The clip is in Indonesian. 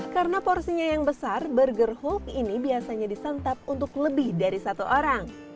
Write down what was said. karena porsinya yang besar burger hulk ini biasanya disantap untuk lebih dari satu orang